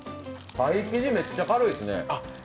パイ生地めっちゃ軽いですね。